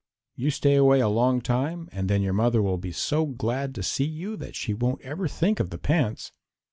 You stay away a long time and then your mother will be so glad to see you that she won't ever think of the pants."